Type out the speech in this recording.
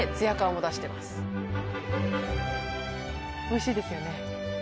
おいしいですよね